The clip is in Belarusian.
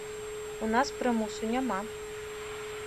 У нас прымусу няма.